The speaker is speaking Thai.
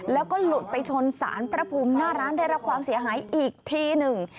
แล้วก็หลุดไปชนสารพระภูมิหน้าร้านได้รับความเสียหายอีกทีหนึ่ง